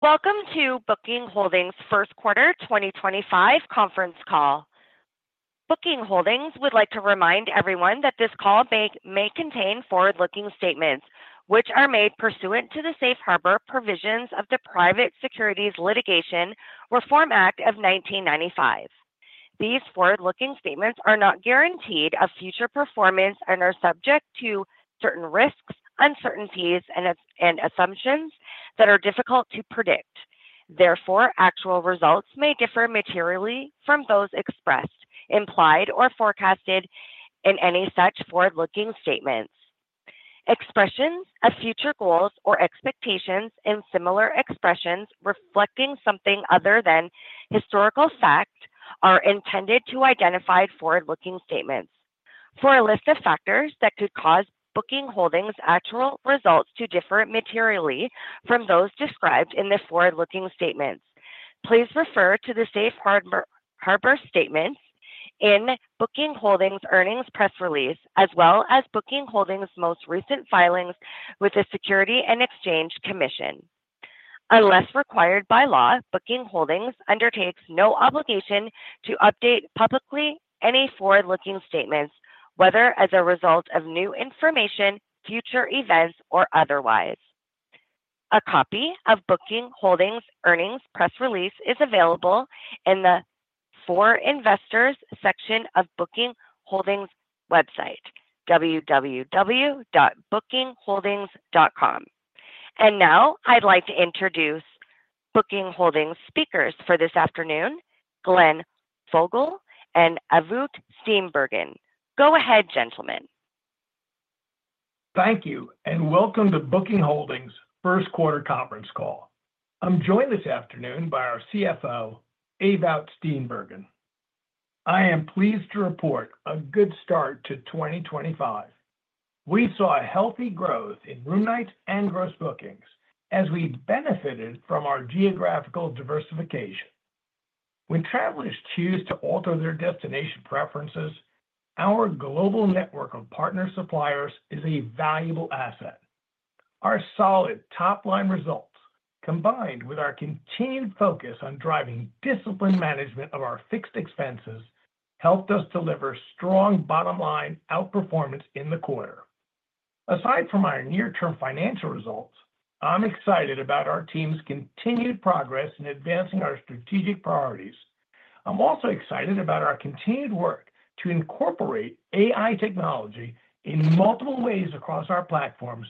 Welcome to Booking Holdings' Q1 2025 conference call. Booking Holdings would like to remind everyone that this call may contain forward-looking statements, which are made pursuant to the Safe Harbor Provisions of the Private Securities Litigation Reform Act of 1995. These forward-looking statements are not guarantees of future performance and are subject to certain risks, uncertainties, and assumptions that are difficult to predict. Therefore, actual results may differ materially from those expressed, implied, or forecasted in any such forward-looking statements. Expressions of future goals or expectations and similar expressions reflecting something other than historical fact are intended to identify forward-looking statements. For a list of factors that could cause Booking Holdings' actual results to differ materially from those described in the forward-looking statements, please refer to the Safe Harbor statements in Booking Holdings' earnings press release, as well as Booking Holdings' most recent filings with the Securities and Exchange Commission. Unless required by law, Booking Holdings undertakes no obligation to update publicly any forward-looking statements, whether as a result of new information, future events, or otherwise.A copy of Booking Holdings' earnings press release is available in the For Investors section of Booking Holdings' website, www.bookingholdings.com. I would like to introduce Booking Holdings' speakers for this afternoon: Glenn Fogel and Ewout Steenbergen. Go ahead, gentlemen. Thank you, and welcome to Booking Holdings' Q1 conference call. I'm joined this afternoon by our CFO, Ewout Steenbergen. I am pleased to report a good start to 2025. We saw healthy growth in room nights and gross bookings as we benefited from our geographical diversification. When travelers choose to alter their destination preferences, our global network of partner suppliers is a valuable asset. Our solid top-line results, combined with our continued focus on driving discipline management of our fixed expenses, helped us deliver strong bottom-line outperformance in the quarter. Aside from our near-term financial results, I'm excited about our team's continued progress in advancing our strategic priorities. I'm also excited about our continued work to incorporate AI technology in multiple ways across our platforms,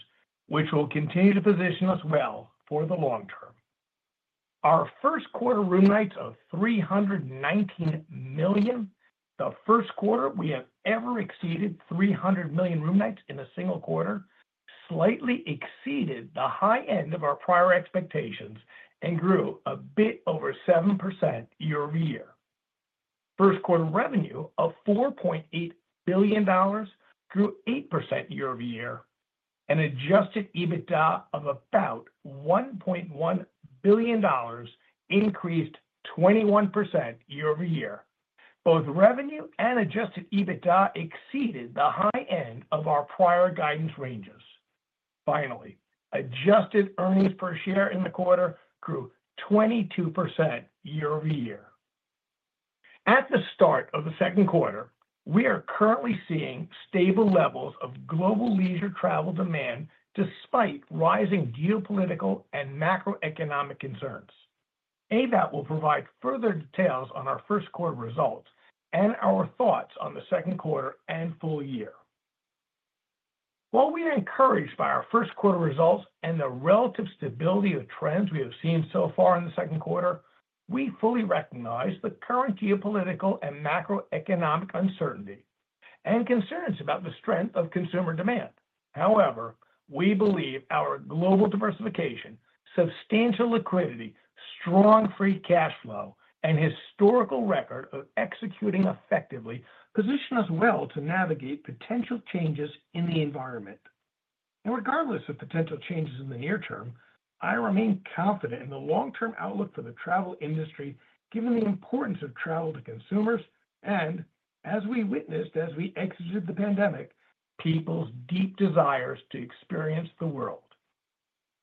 which will continue to position us well for the long term. Our Q1 room nights of 319 million, the Q1 we have ever exceeded 300 million room nights in a single quarter, slightly exceeded the high end of our prior expectations and grew a bit over 7% year-over-year. Q1 revenue of $4.8 billion grew 8% year-over-year, and adjusted EBITDA of about $1.1 billion increased 21% year-over-year. Both revenue and adjusted EBITDA exceeded the high end of our prior guidance ranges. Finally, adjusted earnings per share in the quarter grew 22% year-over-year. At the start of the Q2, we are currently seeing stable levels of global leisure travel demand despite rising geopolitical and macroeconomic concerns. Ewout Steenbergen will provide further details on our Q1 results and our thoughts on the Q2 and full year. While we are encouraged by our Q1 results and the relative stability of trends we have seen so far in the Q2, we fully recognize the current geopolitical and macroeconomic uncertainty and concerns about the strength of consumer demand. However, we believe our global diversification, substantial liquidity, strong free cash flow, and historical record of executing effectively position us well to navigate potential changes in the environment. Regardless of potential changes in the near term, I remain confident in the long-term outlook for the travel industry, given the importance of travel to consumers and, as we witnessed as we exited the pandemic, people's deep desires to experience the world.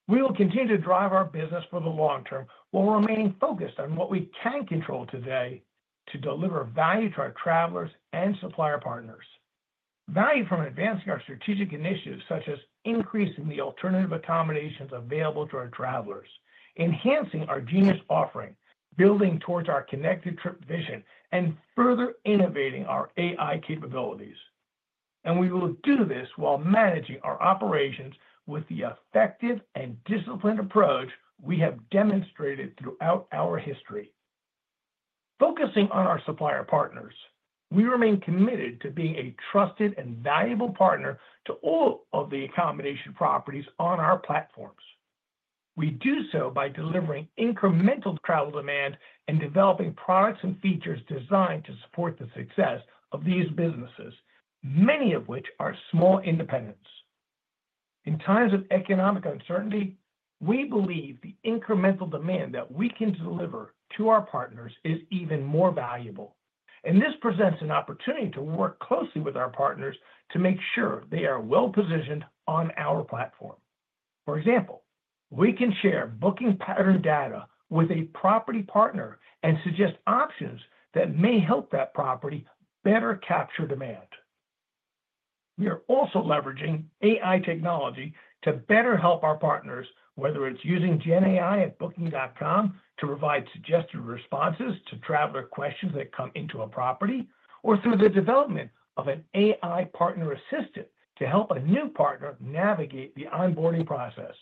We will continue to drive our business for the long term while remaining focused on what we can control today to deliver value to our travelers and supplier partners. Value from advancing our strategic initiatives such as increasing the alternative accommodations available to our travelers, enhancing our Genius offering, building towards our Connected Trip vision, and further innovating our AI capabilities. We will do this while managing our operations with the effective and disciplined approach we have demonstrated throughout our history. Focusing on our supplier partners, we remain committed to being a trusted and valuable partner to all of the accommodation properties on our platforms. We do so by delivering incremental travel demand and developing products and features designed to support the success of these businesses, many of which are small independents. In times of economic uncertainty, we believe the incremental demand that we can deliver to our partners is even more valuable, and this presents an opportunity to work closely with our partners to make sure they are well-positioned on our platform. For example, we can share booking pattern data with a property partner and suggest options that may help that property better capture demand. We are also leveraging AI technology to better help our partners, whether it's using GenAI at Booking.com to provide suggested responses to traveler questions that come into a property, or through the development of an AI partner assistant to help a new partner navigate the onboarding process.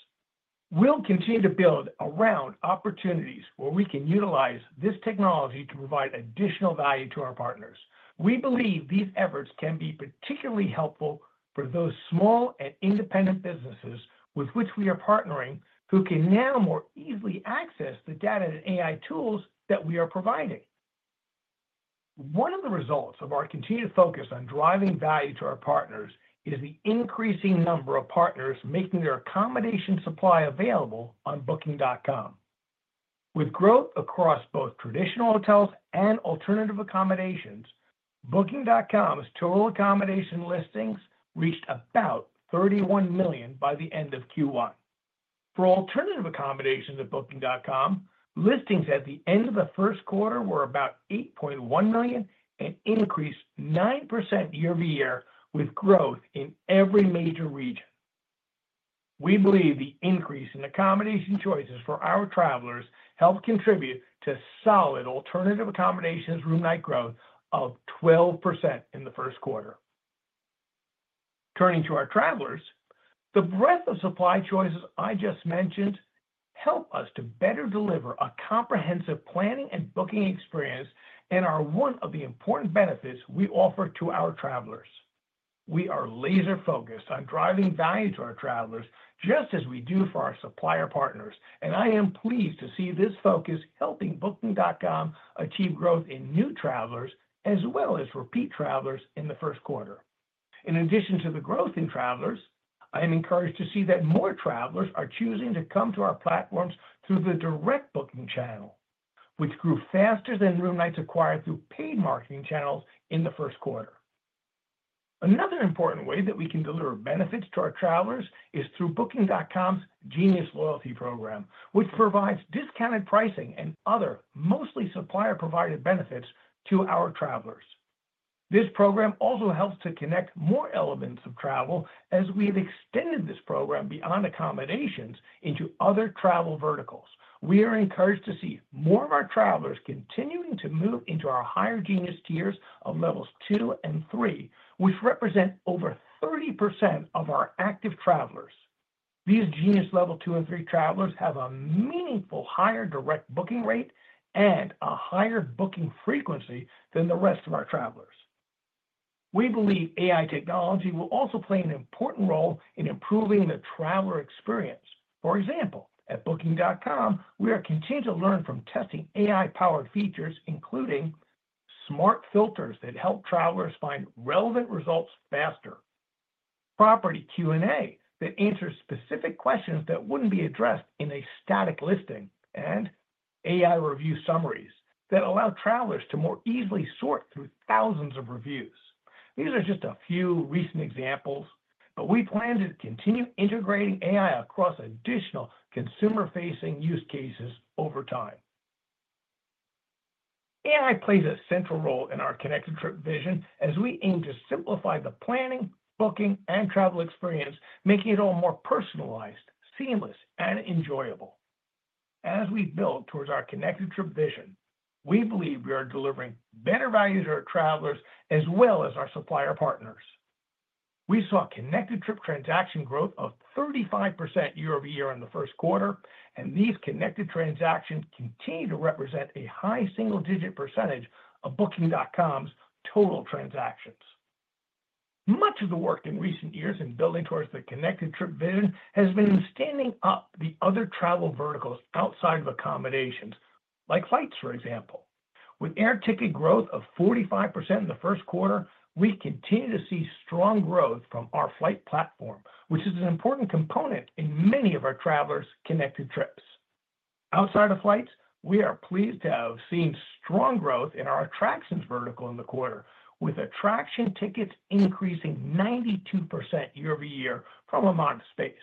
We'll continue to build around opportunities where we can utilize this technology to provide additional value to our partners. We believe these efforts can be particularly helpful for those small and independent businesses with which we are partnering who can now more easily access the data and AI tools that we are providing. One of the results of our continued focus on driving value to our partners is the increasing number of partners making their accommodation supply available on Booking.com. With growth across both traditional hotels and alternative accommodations, Booking.com's total accommodation listings reached about 31 million by the end of Q1. For alternative accommodations at Booking.com, listings at the end of the Q1 were about 8.1 million and increased 9% year-over-year with growth in every major region. We believe the increase in accommodation choices for our travelers helped contribute to solid alternative accommodations room night growth of 12% in the Q1. Turning to our travelers, the breadth of supply choices I just mentioned help us to better deliver a comprehensive planning and booking experience and are one of the important benefits we offer to our travelers. We are laser-focused on driving value to our travelers just as we do for our supplier partners, and I am pleased to see this focus helping Booking.com achieve growth in new travelers as well as repeat travelers in the Q1. In addition to the growth in travelers, I am encouraged to see that more travelers are choosing to come to our platforms through the direct booking channel, which grew faster than room nights acquired through paid marketing channels in the Q1. Another important way that we can deliver benefits to our travelers is through Booking.com's Genius Loyalty Program, which provides discounted pricing and other mostly supplier-provided benefits to our travelers. This program also helps to connect more elements of travel as we have extended this program beyond accommodations into other travel verticals. We are encouraged to see more of our travelers continuing to move into our higher Genius tiers of Levels 2 and 3 We believe AI technology will also play an important role in improving the traveler experience. For example, at Booking.com, we are continuing to learn from testing AI-powered features, including smart filters that help travelers find relevant results faster, property Q&A that answers specific questions that would not be addressed in a static listing, and AI review summaries that allow travelers to more easily sort through thousands of reviews. These are just a few recent examples, but we plan to continue integrating AI across additional consumer-facing use cases over time. AI plays a central role in our connected trip vision as we aim to simplify the planning, booking, and travel experience, making it all more personalized, seamless, and enjoyable. As we build towards our connected trip vision, we believe we are delivering better value to our travelers as well as our supplier partners. We saw connected trip transaction growth of 35% year-over-year in the Q1, and these connected transactions continue to represent a high single-digit percentage of Booking.com's total transactions. Much of the work in recent years in building towards the connected trip vision has been in standing up the other travel verticals outside of accommodations, like flights, for example. With air ticket growth of 45% in the Q1, we continue to see strong growth from our flight platform, which is an important component in many of our travelers' connected trips. Outside of flights, we are pleased to have seen strong growth in our attractions vertical in the quarter, with attraction tickets increasing 92% year-over-year from a modest base.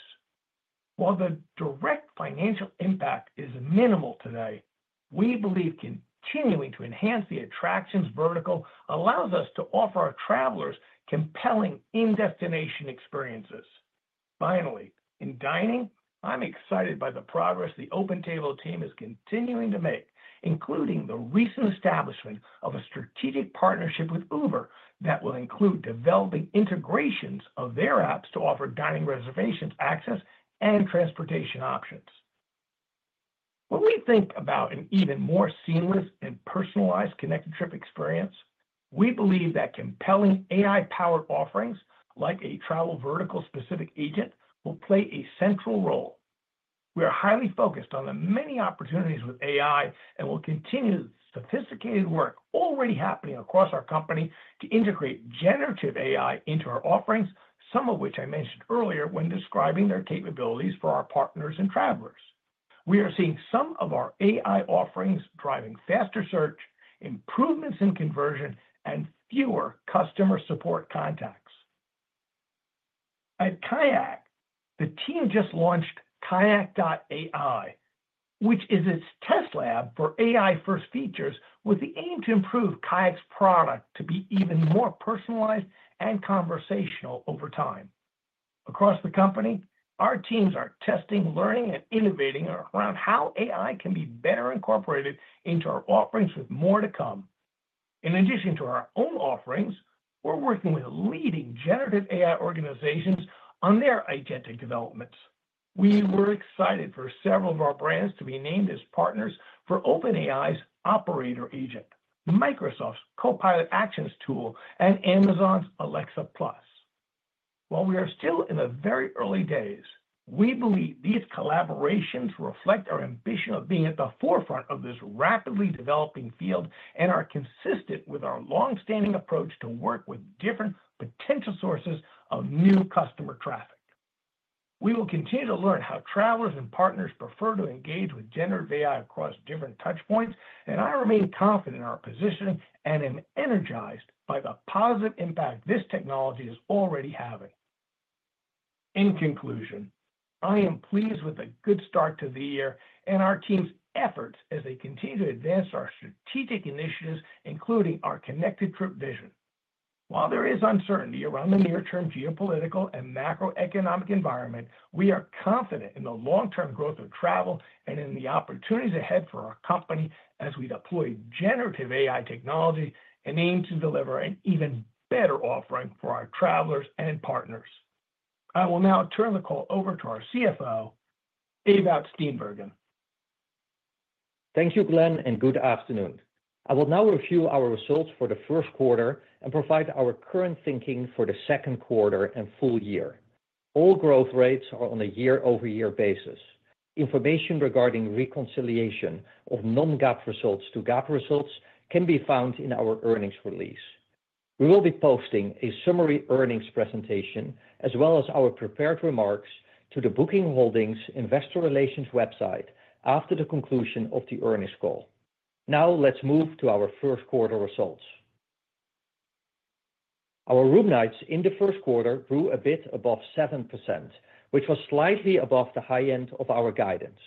While the direct financial impact is minimal today, we believe continuing to enhance the attractions vertical allows us to offer our travelers compelling in-destination experiences. Finally, in dining, I'm excited by the progress the OpenTable team is continuing to make, including the recent establishment of a strategic partnership with Uber that will include developing integrations of their apps to offer dining reservations access and transportation options. When we think about an even more seamless and personalized Connected Trip experience, we believe that compelling AI-powered offerings like a travel vertical-specific agent will play a central role. We are highly focused on the many opportunities with AI and will continue the sophisticated work already happening across our company to integrate generative AI into our offerings, some of which I mentioned earlier when describing their capabilities for our partners and travelers. We are seeing some of our AI offerings driving faster search, improvements in conversion, and fewer customer support contacts. At KAYAK, the team just launched KAYAK.ai, which is its test lab for AI-first features with the aim to improve KAYAK's product to be even more personalized and conversational over time. Across the company, our teams are testing, learning, and innovating around how AI can be better incorporated into our offerings with more to come. In addition to our own offerings, we're working with leading generative AI organizations on their agentic developments. We were excited for several of our brands to be named as partners for OpenAI's Operator agent, Microsoft's Copilot Actions Tool, and Amazon's Alexa Plus. While we are still in the very early days, we believe these collaborations reflect our ambition of being at the forefront of this rapidly developing field and are consistent with our long-standing approach to work with different potential sources of new customer traffic. We will continue to learn how travelers and partners prefer to engage with generative AI across different touchpoints, and I remain confident in our position and am energized by the positive impact this technology is already having. In conclusion, I am pleased with the good start to the year and our team's efforts as they continue to advance our strategic initiatives, including our connected trip vision. While there is uncertainty around the near-term geopolitical and macroeconomic environment, we are confident in the long-term growth of travel and in the opportunities ahead for our company as we deploy generative AI technology and aim to deliver an even better offering for our travelers and partners. I will now turn the call over to our CFO, Ewout Steenbergen. Thank you, Glenn, and good afternoon.I will now review our results for the Q1 and provide our current thinking for the Q2 and full year. All growth rates are on a year-over-year basis. Information regarding reconciliation of non-GAAP results to GAAP results can be found in our earnings release. We will be posting a summary earnings presentation as well as our prepared remarks to the Booking Holdings Investor Relations website after the conclusion of the earnings call. Now let's move to our Q1 results. Our room nights in the Q1 grew a bit above 7%, which was slightly above the high end of our guidance.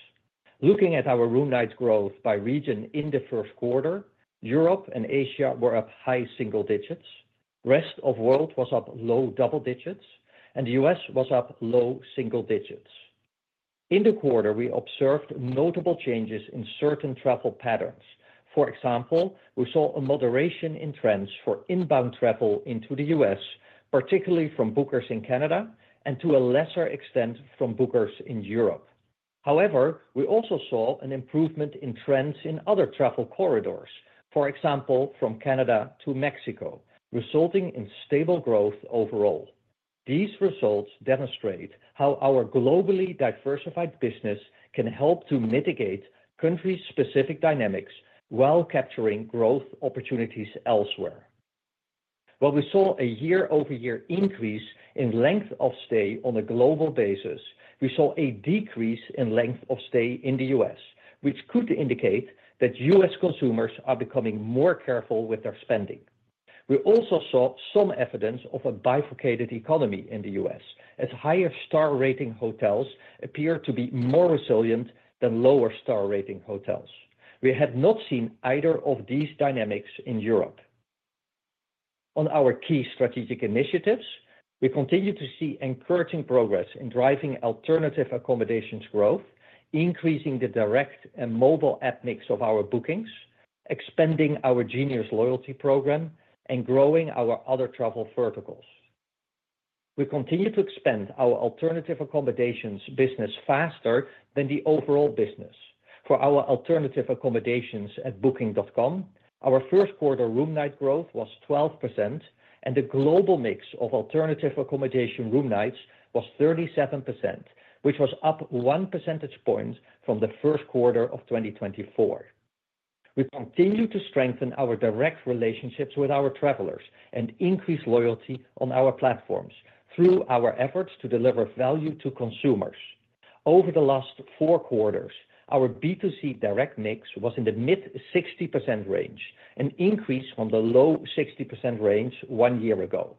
Looking at our room nights growth by region in the Q1, Europe and Asia were at high single digits, the rest of the world was up low double digits, and the U.S. was up low single digits. In the quarter, we observed notable changes in certain travel patterns. For example, we saw a moderation in trends for inbound travel into the U.S., particularly from bookers in Canada and to a lesser extent from bookers in Europe. However, we also saw an improvement in trends in other travel corridors, for example, from Canada to Mexico, resulting in stable growth overall. These results demonstrate how our globally diversified business can help to mitigate country-specific dynamics while capturing growth opportunities elsewhere. While we saw a year-over-year increase in length of stay on a global basis, we saw a decrease in length of stay in the U.S., which could indicate that U.S. consumers are becoming more careful with their spending. We also saw some evidence of a bifurcated economy in the U.S., as higher-star rating hotels appear to be more resilient than lower-star rating hotels. We had not seen either of these dynamics in Europe. On our key strategic initiatives, we continue to see encouraging progress in driving alternative accommodations growth, increasing the direct and mobile app mix of our bookings, expanding our Genius Loyalty Program, and growing our other travel verticals. We continue to expand our alternative accommodations business faster than the overall business. For our alternative accommodations at Booking.com, our Q1 room night growth was 12%, and the global mix of alternative accommodation room nights was 37%, which was up one percentage point from the Q1 of 2024. We continue to strengthen our direct relationships with our travelers and increase loyalty on our platforms through our efforts to deliver value to consumers. Over the last four quarters, our B2C direct mix was in the mid-60% range, an increase from the low 60% range one year ago.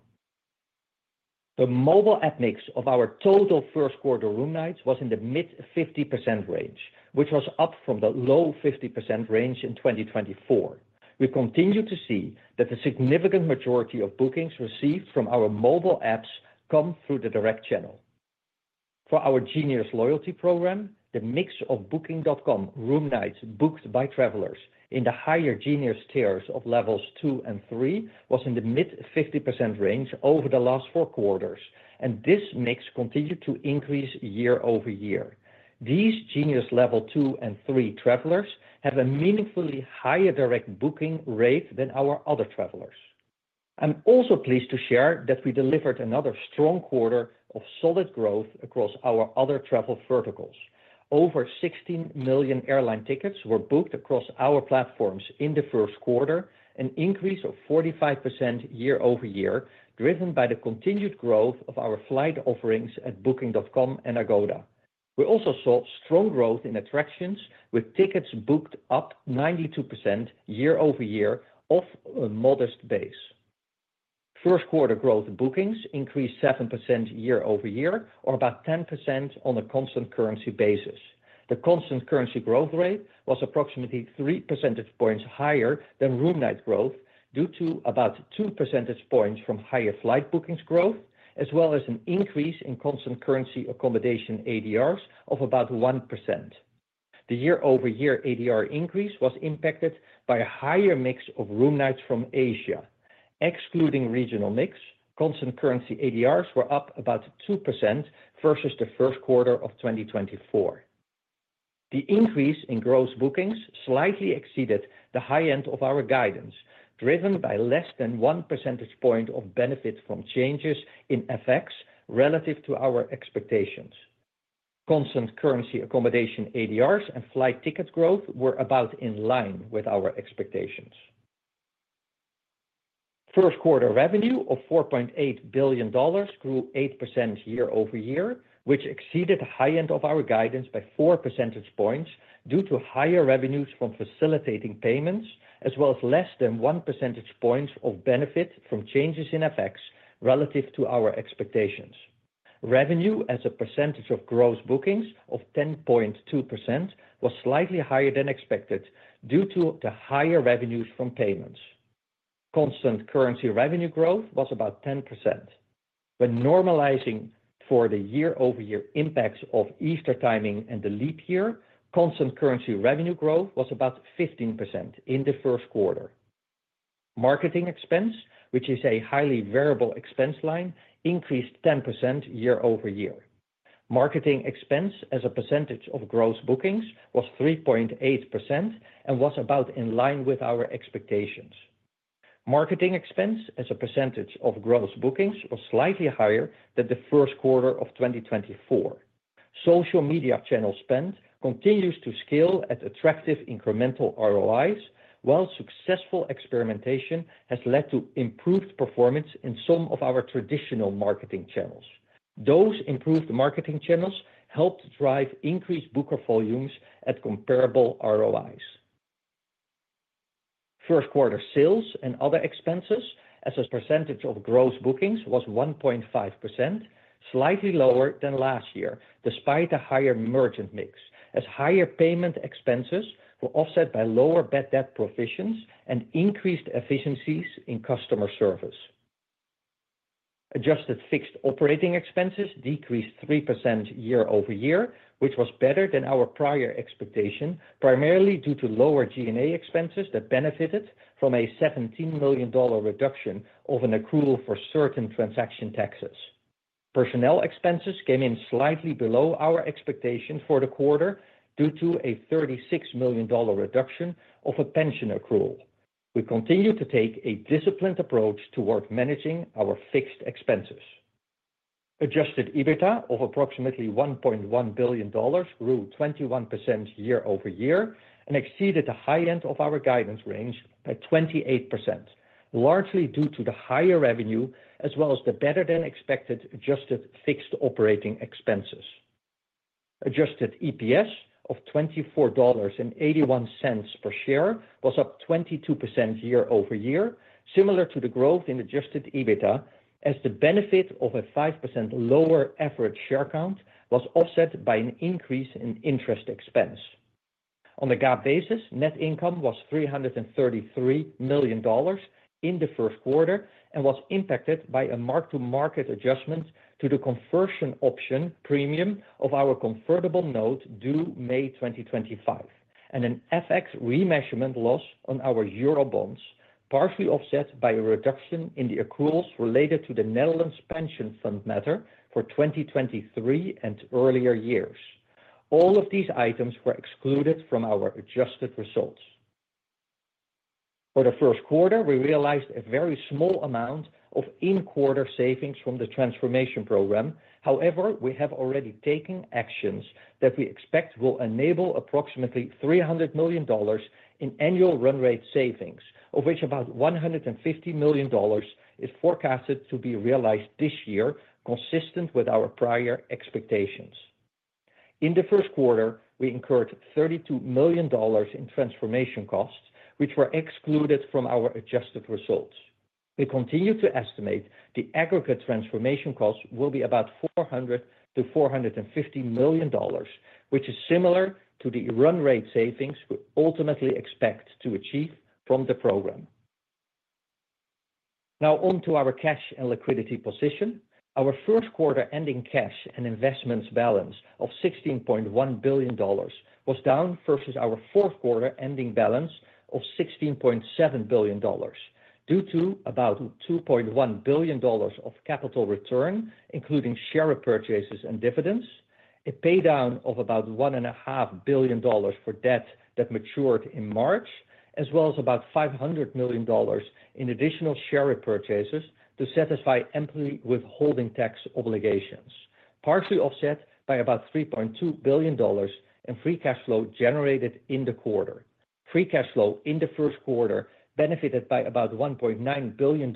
The mobile app mix of our total Q1 room nights was in the mid-50% range, which was up from the low 50% range in 2024. We continue to see that the significant majority of bookings received from our mobile apps come through the direct channel. For our Genius Loyalty Program, the mix of Booking.com room nights booked by travelers in the higher Genius tiers of levels two and three was in the mid-50% range over the last four quarters, and this mix continued to increase year-over-year. These Genius Level 2 and 3 travelers have a meaningfully higher direct booking rate than our other travelers. I'm also pleased to share that we delivered another strong quarter of solid growth across our other travel verticals. Over 16 million airline tickets were booked across our platforms in the Q1, an increase of 45% year-over-year driven by the continued growth of our flight offerings at Booking.com and Agoda. We also saw strong growth in attractions, with tickets booked up 92% year-over-year off a modest base. Q1 growth in bookings increased 7% year-over-year, or about 10% on a constant currency basis. The constant currency growth rate was approximately 3 percentage points higher than room night growth due to about 2 percentage points from higher flight bookings growth, as well as an increase in constant currency accommodation ADRs of about 1%. The year-over-year ADR increase was impacted by a higher mix of room nights from Asia. Excluding regional mix, constant currency ADRs were up about 2% versus the Q1 of 2024. The increase in gross bookings slightly exceeded the high end of our guidance, driven by less than 1 percentage point of benefit from changes in FX relative to our expectations. Constant currency accommodation ADRs and flight ticket growth were about in line with our expectations. Q1 revenue of $4.8 billion grew 8% year-over-year, which exceeded the high end of our guidance by 4 percentage points due to higher revenues from facilitating payments, as well as less than 1 percentage point of benefit from changes in FX relative to our expectations. Revenue as a percentage of gross bookings of 10.2% was slightly higher than expected due to the higher revenues from payments. Constant currency revenue growth was about 10%. When normalizing for the year-over-year impacts of Easter timing and the leap year, constant currency revenue growth was about 15% in the Q1. Marketing expense, which is a highly variable expense line, increased 10% year-over-year. Marketing expense as a percentage of gross bookings was 3.8% and was about in line with our expectations. Marketing expense as a percentage of gross bookings was slightly higher than the Q1 of 2024. Social media channel spend continues to scale at attractive incremental ROIS, while successful experimentation has led to improved performance in some of our traditional marketing channels. Those improved marketing channels helped drive increased booker volumes at comparable ROIS. Q1 sales and other expenses as a percentage of gross bookings was 1.5%, slightly lower than last year despite a higher merchant mix, as higher payment expenses were offset by lower bad debt provisions and increased efficiencies in customer service. Adjusted fixed operating expenses decreased 3% year-over-year, which was better than our prior expectation, primarily due to lower G&A expenses that benefited from a $17 million reduction of an accrual for certain transaction taxes. Personnel expenses came in slightly below our expectation for the quarter due to a $36 million reduction of a pension accrual. We continue to take a disciplined approach toward managing our fixed expenses. Adjusted EBITDA of approximately $1.1 billion grew 21% year-over-year and exceeded the high end of our guidance range by 28%, largely due to the higher revenue as well as the better-than-expected adjusted fixed operating expenses. Adjusted EPS of $24.81 per share was up 22% year-over-year, similar to the growth in adjusted EBITDA, as the benefit of a 5% lower average share count was offset by an increase in interest expense. On the GAAP basis, net income was $333 million in the Q1 and was impacted by a mark-to-market adjustment to the conversion option premium of our convertible note due May 2025, and an FX remeasurement loss on our euro bonds, partially offset by a reduction in the accruals related to the Netherlands Pension Fund matter for 2023 and earlier years. All of these items were excluded from our adjusted results. For the Q1, we realized a very small amount of in-quarter savings from the transformation program. However, we have already taken actions that we expect will enable approximately $300 million in annual run rate savings, of which about $150 million is forecasted to be realized this year, consistent with our prior expectations. In the Q1, we incurred $32 million in transformation costs, which were excluded from our adjusted results. We continue to estimate the aggregate transformation costs will be about $400 - 450 million, which is similar to the run rate savings we ultimately expect to achieve from the program. Now on to our cash and liquidity position. Our Q1 ending cash and investments balance of $16.1 billion was down versus our Q4 ending balance of $16.7 billion. Due to about $2.1 billion of capital return, including share repurchases and dividends, a paydown of about $1.5 billion for debt that matured in March, as well as about $500 million in additional share repurchases to satisfy employee withholding tax obligations, partially offset by about $3.2 billion in free cash flow generated in the quarter. Free cash flow in the Q1 benefited by about $1.9 billion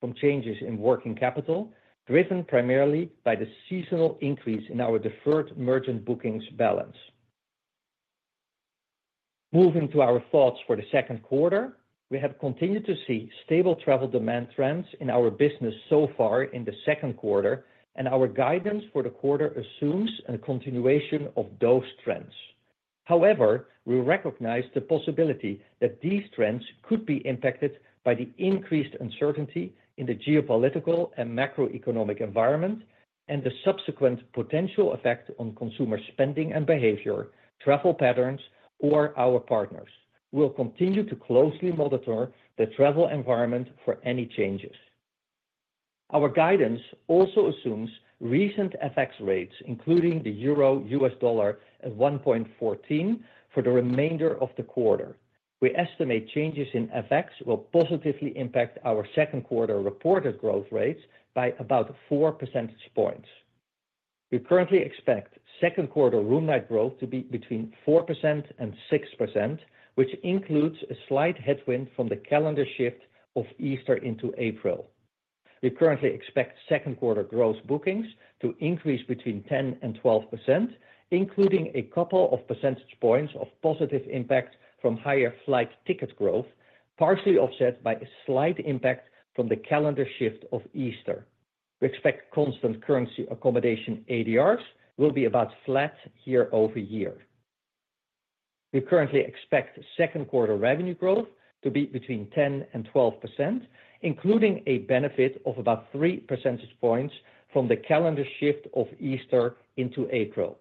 from changes in working capital, driven primarily by the seasonal increase in our deferred merchant bookings balance. Moving to our thoughts for the Q2, we have continued to see stable travel demand trends in our business so far in the Q2, and our guidance for the quarter assumes a continuation of those trends. However, we recognize the possibility that these trends could be impacted by the increased uncertainty in the geopolitical and macroeconomic environment and the subsequent potential effect on consumer spending and behavior, travel patterns, or our partners. We will continue to closely monitor the travel environment for any changes. Our guidance also assumes recent FX rates, including the euro/US dollar at 1.14, for the remainder of the quarter. We estimate changes in FX will positively impact our Q2 reported growth rates by about 4 percentage points. We currently expect Q2 room night growth to be between 4% and 6%, which includes a slight headwind from the calendar shift of Easter into April. We currently expect Q2 gross bookings to increase between 10% and 12%, including a couple of percentage points of positive impact from higher flight ticket growth, partially offset by a slight impact from the calendar shift of Easter. We expect constant currency accommodation ADRs will be about flat year-over-year. We currently expect Q2 revenue growth to be between 10% and 12%, including a benefit of about 3 percentage points from the calendar shift of Easter into April.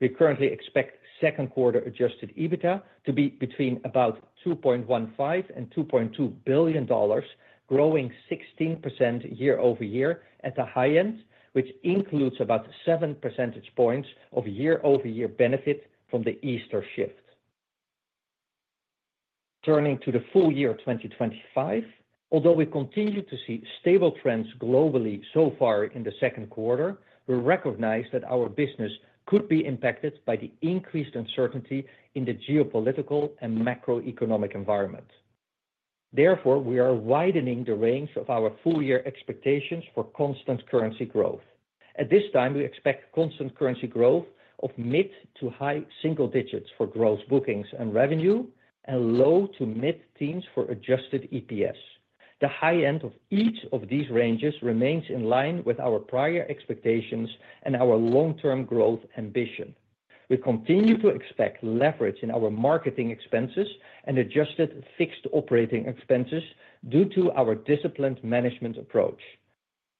We currently expect Q2 adjusted EBITDA to be between about $2.15 billion and $2.2 billion, growing 16% year-over-year at the high end, which includes about 7 percentage points of year-over-year benefit from the Easter shift. Turning to the full year 2025, although we continue to see stable trends globally so far in the Q2, we recognize that our business could be impacted by the increased uncertainty in the geopolitical and macroeconomic environment. Therefore, we are widening the range of our full year expectations for constant currency growth. At this time, we expect constant currency growth of mid to high single digits for gross bookings and revenue, and low to mid teens for adjusted EPS. The high end of each of these ranges remains in line with our prior expectations and our long-term growth ambition. We continue to expect leverage in our marketing expenses and adjusted fixed operating expenses due to our disciplined management approach.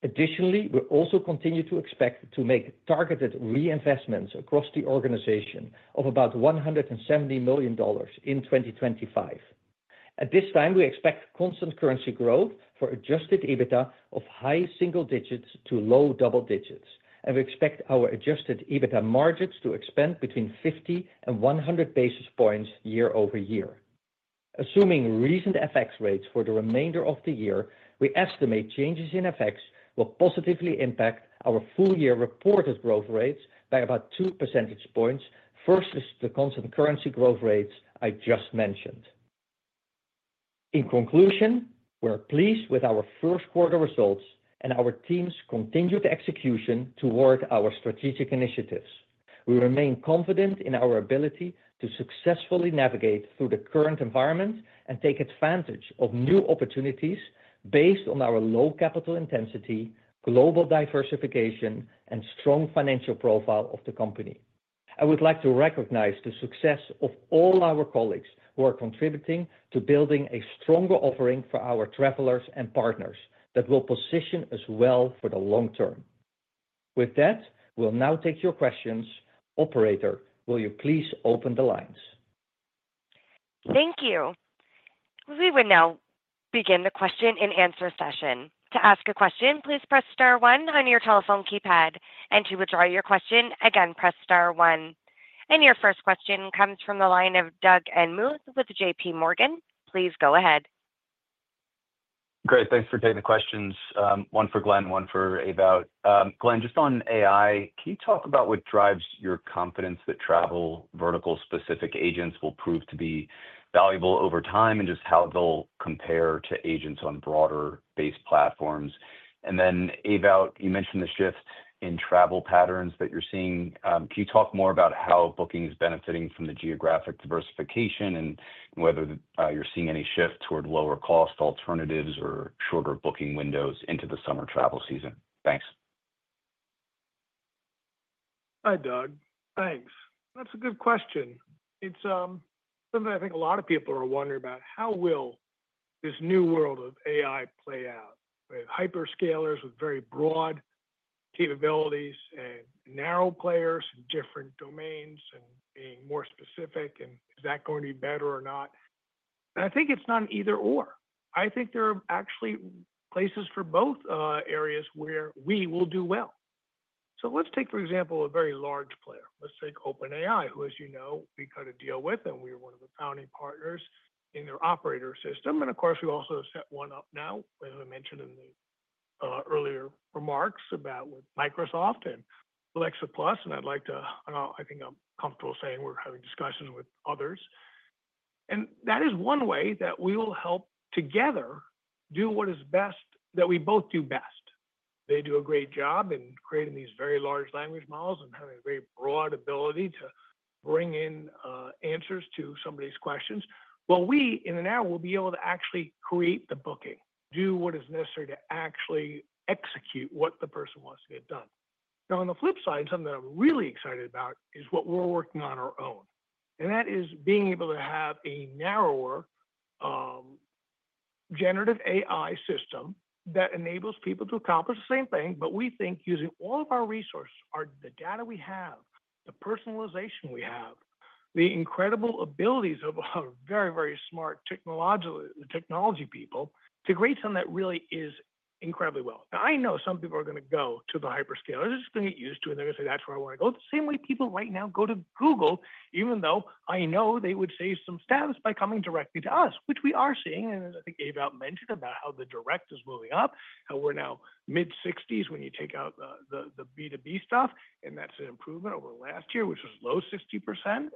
Additionally, we also continue to expect to make targeted reinvestments across the organization of about $170 million in 2025. At this time, we expect constant currency growth for adjusted EBITDA of high single digits to low double digits, and we expect our adjusted EBITDA margins to expand between 50 and 100 basis points year-over-year. Assuming recent FX rates for the remainder of the year, we estimate changes in FX will positively impact our full year reported growth rates by about 2 percentage points versus the constant currency growth rates I just mentioned. In conclusion, we're pleased with our Q1 results and our team's continued execution toward our strategic initiatives. We remain confident in our ability to successfully navigate through the current environment and take advantage of new opportunities based on our low capital intensity, global diversification, and strong financial profile of the company. I would like to recognize the success of all our colleagues who are contributing to building a stronger offering for our travelers and partners that will position us well for the long term. With that, we'll now take your questions. Operator, will you please open the lines? Thank you. We will now begin the question and answer session. To ask a question, please press star one on your telephone keypad, and to withdraw your question, again press star one. Your first question comes from the line of Doug Anmuth with JP Morgan. Please go ahead. Great. Thanks for taking the questions. One for Glenn, one for Ewout. Glenn, just on AI, can you talk about what drives your confidence that travel vertical-specific agents will prove to be valuable over time and just how they'll compare to agents on broader-based platforms? Ewout, you mentioned the shift in travel patterns that you're seeing. Can you talk more about how Booking is benefiting from the geographic diversification and whether you're seeing any shift toward lower-cost alternatives or shorter booking windows into the summer travel season? Thanks. Hi, Doug. Thanks. That's a good question. It's something I think a lot of people are wondering about. How will this new world of AI play out? Hyperscalers with very broad capabilities and narrow players in different domains and being more specific, and is that going to be better or not? I think it's not an either/or. I think there are actually places for both areas where we will do well. Let's take, for example, a very large player. Let's take OpenAI, who, as you know, we kind of deal with, and we were one of the founding partners in their operator system. Of course, we also set one up now, as I mentioned in the earlier remarks, with Microsoft and Alexa Plus. I'd like to, I think I'm comfortable saying we're having discussions with others. That is one way that we will help together do what is best that we both do best. They do a great job in creating these very large language models and having a very broad ability to bring in answers to somebody's questions. We in an hour will be able to actually create the booking, do what is necessary to actually execute what the person wants to get done. On the flip side, something that I'm really excited about is what we're working on our own. That is being able to have a narrower generative AI system that enables people to accomplish the same thing. We think using all of our resources, the data we have, the personalization we have, the incredible abilities of our very, very smart technology people, to create something that really is incredibly well. I know some people are going to go to the hyperscalers. They're just going to get used to it, and they're going to say, "That's where I want to go." The same way people right now go to Google, even though I know they would save some status by coming directly to us, which we are seeing. As I think Ewout mentioned about how the direct is moving up, how we're now mid-60s when you take out the B2B stuff, and that's an improvement over last year, which was low 60%.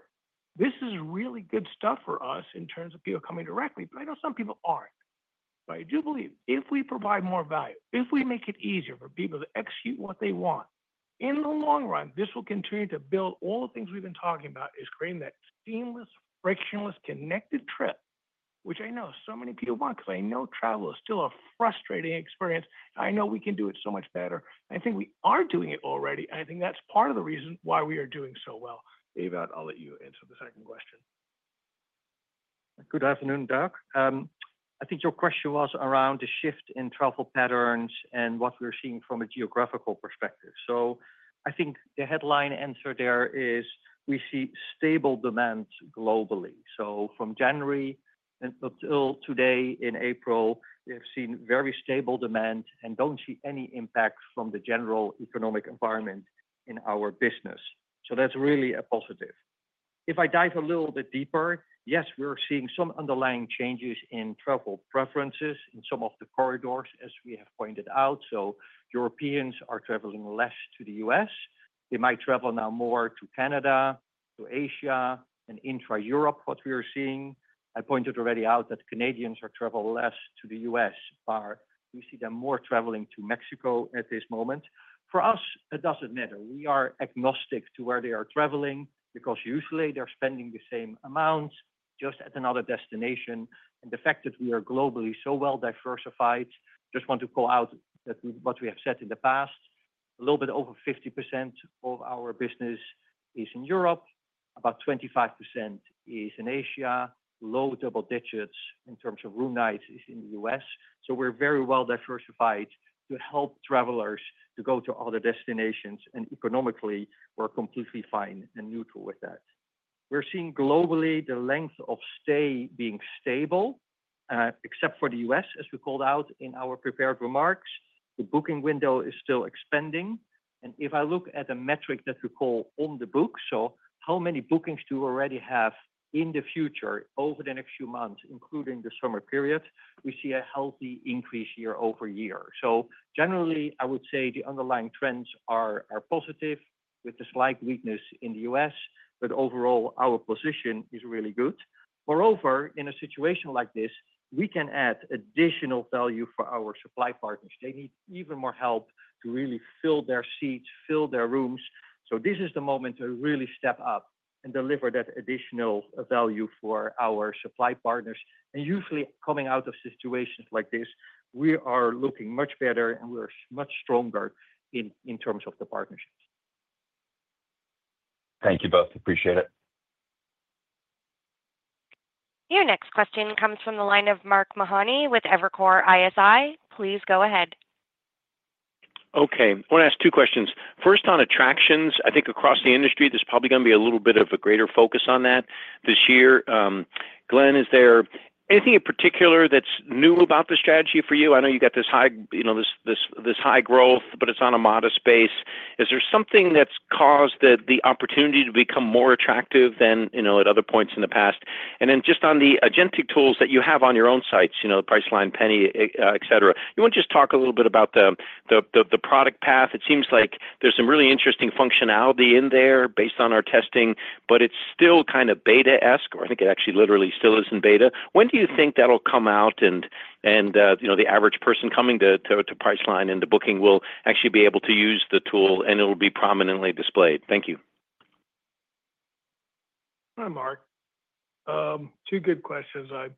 This is really good stuff for us in terms of people coming directly. I know some people aren't. I do believe if we provide more value, if we make it easier for people to execute what they want, in the long run, this will continue to build all the things we've been talking about, is creating that seamless, frictionless, connected trip, which I know so many people want because I know travel is still a frustrating experience. I know we can do it so much better.I think we are doing it already, and I think that's part of the reason why we are doing so well. Ewout, I'll let you answer the second question. Good afternoon, Doug. I think your question was around the shift in travel patterns and what we're seeing from a geographical perspective. I think the headline answer there is we see stable demand globally. From January until today in April, we have seen very stable demand and do not see any impact from the general economic environment in our business. That is really a positive. If I dive a little bit deeper, yes, we are seeing some underlying changes in travel preferences in some of the corridors, as we have pointed out. Europeans are traveling less to the U.S. They might travel now more to Canada, to Asia, and intra-Europe, what we are seeing. I pointed already out that Canadians are traveling less to the U.S., but we see them more traveling to Mexico at this moment. For us, it does not matter. We are agnostic to where they are traveling because usually they are spending the same amount just at another destination. The fact that we are globally so well diversified, just want to call out that what we have said in the past, a little bit over 50% of our business is in Europe, about 25% is in Asia, low double digits in terms of room nights is in the U.S. We are very well diversified to help travelers to go to other destinations, and economically, we are completely fine and neutral with that. We are seeing globally the length of stay being stable, except for the U.S., as we called out in our prepared remarks. The booking window is still expanding. If I look at a metric that we call on the book, so how many bookings do we already have in the future over the next few months, including the summer period, we see a healthy increase year-over-year. Generally, I would say the underlying trends are positive with the slight weakness in the U.S., but overall, our position is really good. Moreover, in a situation like this, we can add additional value for our supply partners. They need even more help to really fill their seats, fill their rooms. This is the moment to really step up and deliver that additional value for our supply partners. Usually, coming out of situations like this, we are looking much better and we are much stronger in terms of the partnerships. Thank you both. Appreciate it. Your next question comes from the line of Mark Mahaney with Evercore ISI. Please go ahead. Okay. I want to ask two questions. First, on attractions, I think across the industry, there is probably going to be a little bit of a greater focus on that this year. Glenn, is there anything in particular that's new about the strategy for you? I know you got this high growth, but it's on a modest base. Is there something that's caused the opportunity to become more attractive than at other points in the past? Just on the agentic tools that you have on your own sites, Priceline, Penny, etc., you want to just talk a little bit about the product path. It seems like there's some really interesting functionality in there based on our testing, but it's still kind of beta-esque, or I think it actually literally still is in beta. When do you think that'll come out and the average person coming to Priceline and to Booking.com will actually be able to use the tool and it'll be prominently displayed? Thank you. Hi, Mark. Two good questions.I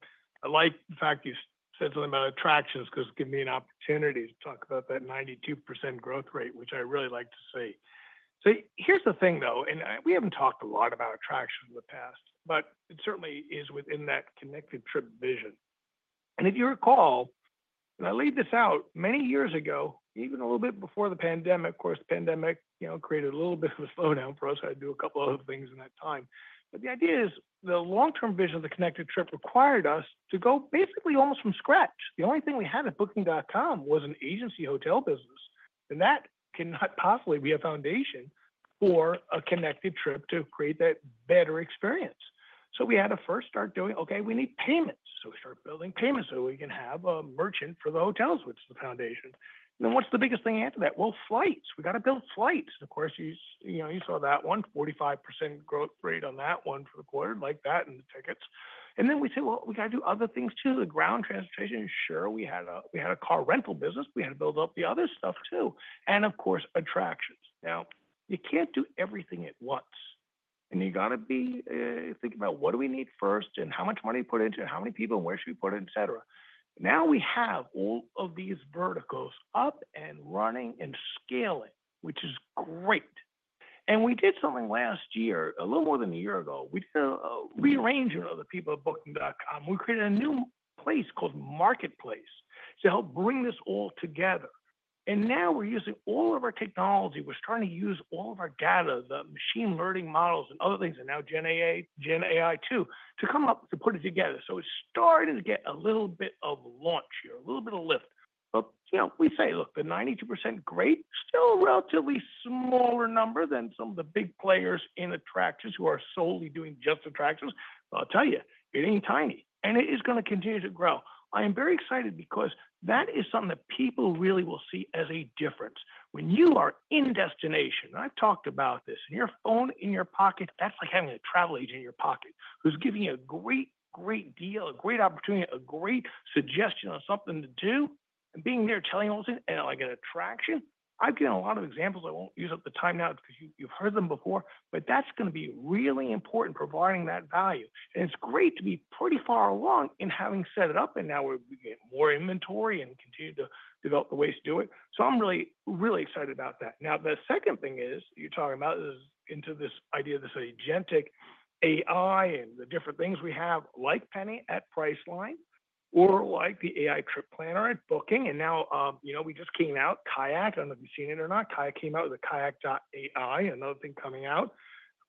like the fact you said something about attractions because it gives me an opportunity to talk about that 92% growth rate, which I really like to see. Here's the thing, though, and we haven't talked a lot about attractions in the past, but it certainly is within that connected trip vision. If you recall, and I'll leave this out, many years ago, even a little bit before the pandemic, of course, the pandemic created a little bit of a slowdown for us. I had to do a couple of other things in that time. The idea is the long-term vision of the connected trip required us to go basically almost from scratch. The only thing we had at Booking.com was an agency hotel business, and that cannot possibly be a foundation for a connected trip to create that better experience. We had to first start doing, okay, we need payments. We start building payments so we can have a merchant for the hotels, which is the foundation. Then what's the biggest thing after that? Flights. We got to build flights. Of course, you saw that one, 45% growth rate on that one for the quarter, like that, and the tickets. Then we said, we got to do other things too, the ground transportation. Sure, we had a car rental business. We had to build up the other stuff too. Of course, attractions. You can't do everything at once. You got to be thinking about what do we need first and how much money we put into it, how many people, and where should we put it, etc. Now we have all of these verticals up and running and scaling, which is great. We did something last year, a little more than a year ago. We did a rearrangement of the people at Booking.com. We created a new place called Marketplace to help bring this all together. Now we're using all of our technology. We're starting to use all of our data, the machine learning models and other things, and now GenAI too, to come up to put it together. It is starting to get a little bit of launch here, a little bit of lift. We say, look, the 92%, great, still a relatively smaller number than some of the big players in attractions who are solely doing just attractions. I'll tell you, it ain't tiny, and it is going to continue to grow. I am very excited because that is something that people really will see as a difference. When you are in destination, and I've talked about this, and your phone in your pocket, that's like having a travel agent in your pocket who's giving you a great, great deal, a great opportunity, a great suggestion on something to do, and being there telling you all this, and like an attraction. I've given a lot of examples. I won't use up the time now because you've heard them before, but that's going to be really important providing that value. It's great to be pretty far along in having set it up, and now we're getting more inventory and continue to develop the ways to do it. I am really, really excited about that. Now, the second thing is you're talking about is into this idea of this agentic AI and the different things we have, like Penny at Priceline, or like the AI Trip Planner at Booking. Now we just came out, Kayak. I don't know if you've seen it or not. Kayak came out with a KAYAK.ai, another thing coming out.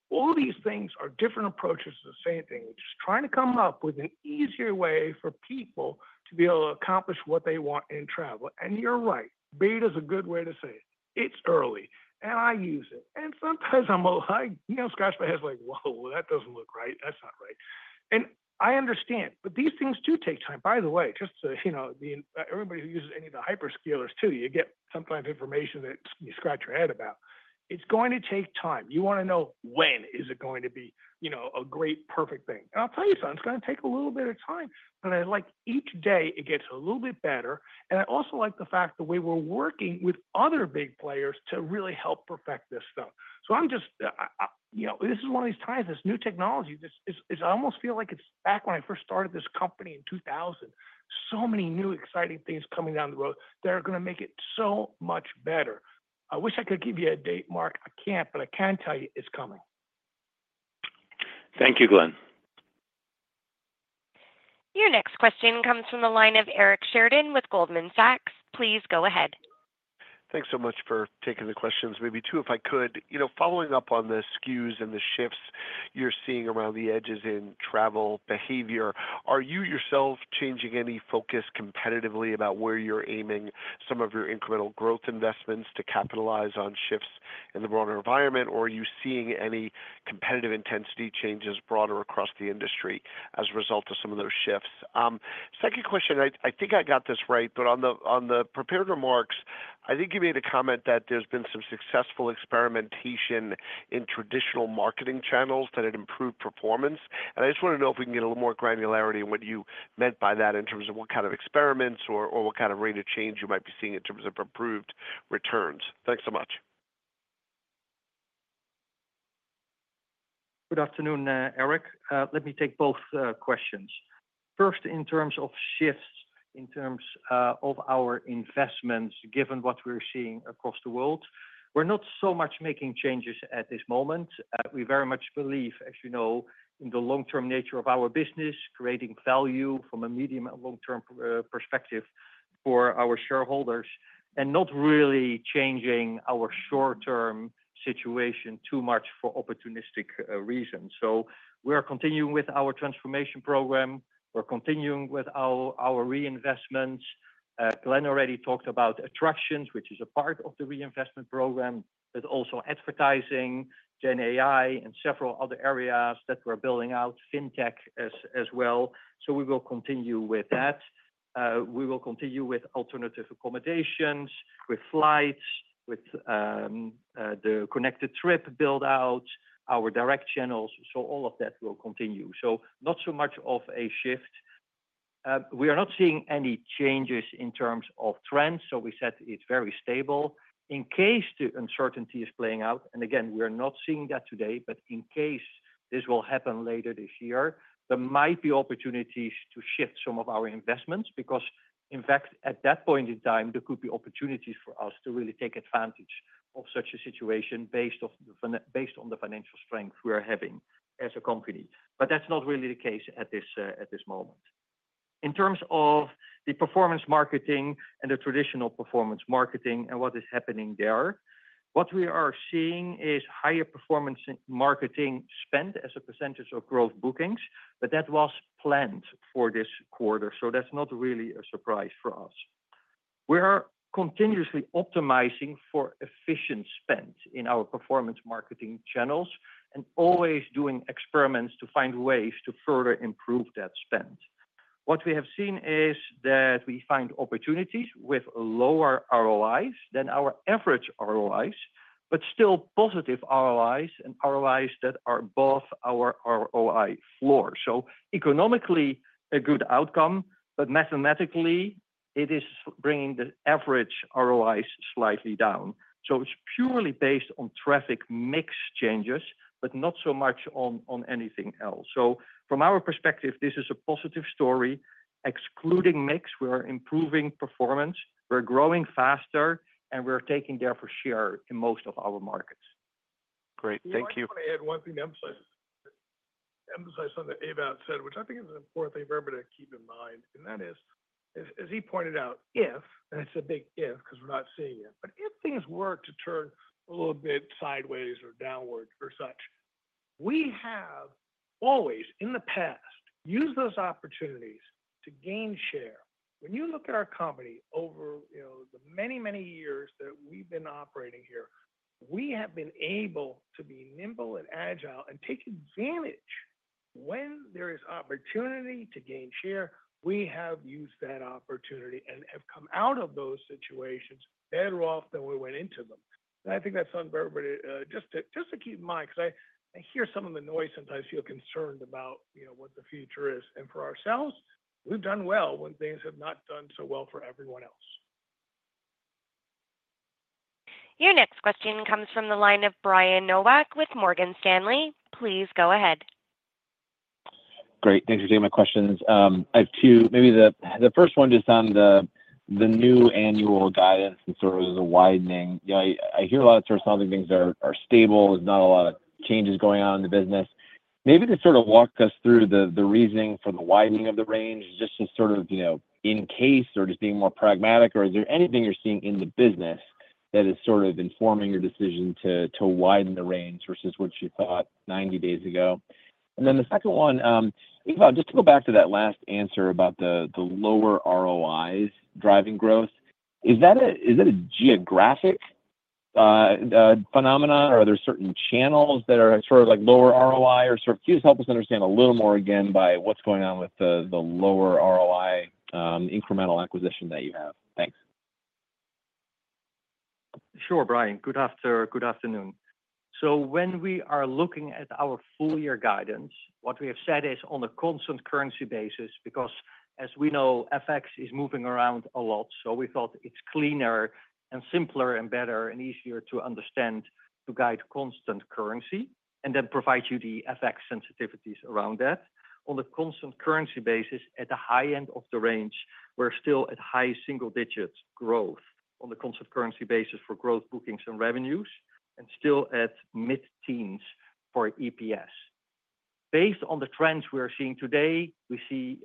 All these things are different approaches to the same thing. We're just trying to come up with an easier way for people to be able to accomplish what they want in travel. You're right. Beta's a good way to say it. It's early, and I use it. Sometimes I'm like, you know, scratch my head like, whoa, that doesn't look right. That's not right. I understand, but these things do take time. By the way, just so everybody who uses any of the hyperscalers too, you get sometimes information that you scratch your head about. It's going to take time. You want to know when is it going to be a great, perfect thing. I'll tell you something, it's going to take a little bit of time. I like each day it gets a little bit better. I also like the fact that we were working with other big players to really help perfect this stuff. This is one of these times, this new technology. I almost feel like it's back when I first started this company in 2000. So many new exciting things coming down the road that are going to make it so much better. I wish I could give you a date, Mark. I can't, but I can tell you it's coming. Thank you, Glenn. Your next question comes from the line of Eric Sheridan with Goldman Sachs. Please go ahead. Thanks so much for taking the questions. Maybe two, if I could. Following up on the SKUs and the shifts you're seeing around the edges in travel behavior, are you yourself changing any focus competitively about where you're aiming some of your incremental growth investments to capitalize on shifts in the broader environment, or are you seeing any competitive intensity changes broader across the industry as a result of some of those shifts? Second question, I think I got this right, but on the prepared remarks, I think you made a comment that there's been some successful experimentation in traditional marketing channels that had improved performance.I just want to know if we can get a little more granularity on what you meant by that in terms of what kind of experiments or what kind of rate of change you might be seeing in terms of improved returns. Thanks so much. Good afternoon, Eric. Let me take both questions. First, in terms of shifts, in terms of our investments, given what we're seeing across the world, we're not so much making changes at this moment. We very much believe, as you know, in the long-term nature of our business, creating value from a medium and long-term perspective for our shareholders, and not really changing our short-term situation too much for opportunistic reasons. We are continuing with our transformation program. We are continuing with our reinvestments. Glenn already talked about attractions, which is a part of the reinvestment program, but also advertising, GenAI, and several other areas that we're building out, fintech as well. We will continue with that. We will continue with alternative accommodations, with flights, with the connected trip build-out, our direct channels. All of that will continue. Not so much of a shift. We are not seeing any changes in terms of trends. We said it's very stable. In case the uncertainty is playing out, and again, we're not seeing that today, but in case this will happen later this year, there might be opportunities to shift some of our investments because, in fact, at that point in time, there could be opportunities for us to really take advantage of such a situation based on the financial strength we're having as a company. That's not really the case at this moment. In terms of the performance marketing and the traditional performance marketing and what is happening there, what we are seeing is higher performance marketing spend as a percentage of gross bookings, but that was planned for this quarter. That's not really a surprise for us. We are continuously optimizing for efficient spend in our performance marketing channels and always doing experiments to find ways to further improve that spend. What we have seen is that we find opportunities with lower ROIS than our average ROIS, but still positive ROIS and ROIS that are above our ROI floor. Economically, a good outcome, but mathematically, it is bringing the average ROIS slightly down. It's purely based on traffic mix changes, but not so much on anything else. From our perspective, this is a positive story. Excluding mix, we're improving performance, we're growing faster, and we're taking their share in most of our markets. Great. Thank you. I want to add one thing, emphasize on what Ewout said, which I think is an important thing for everybody to keep in mind. That is, as he pointed out, if, and it's a big if because we're not seeing it, but if things were to turn a little bit sideways or downward or such, we have always in the past used those opportunities to gain share. When you look at our company over the many, many years that we've been operating here, we have been able to be nimble and agile and take advantage when there is opportunity to gain share. We have used that opportunity and have come out of those situations better off than we went into them. I think that's on everybody. Just to keep in mind, because I hear some of the noise and I feel concerned about what the future is. And for ourselves, we've done well when things have not done so well for everyone else. Your next question comes from the line of Brian Nowak with Morgan Stanley. Please go ahead. Great. Thanks for taking my questions. I have two. Maybe the first one just on the new annual guidance and sort of the widening. I hear a lot of sort of sounding things are stable. There's not a lot of changes going on in the business. Maybe to sort of walk us through the reasoning for the widening of the range, just to sort of in case or just being more pragmatic, or is there anything you're seeing in the business that is sort of informing your decision to widen the range versus what you thought 90 days ago? The second one, Ewout, just to go back to that last answer about the lower ROIS driving growth, is that a geographic phenomenon, or are there certain channels that are sort of like lower ROI or sort of can you just help us understand a little more again by what's going on with the lower ROI incremental acquisition that you have? Thanks. Sure, Brian. Good afternoon. When we are looking at our full year guidance, what we have said is on a constant currency basis because, as we know, FX is moving around a lot. We thought it is cleaner and simpler and better and easier to understand to guide constant currency and then provide you the FX sensitivities around that. On a constant currency basis, at the high end of the range, we are still at high single-digit growth on the constant currency basis for gross bookings and revenues and still at mid-teens for EPS. Based on the trends we are seeing today, we see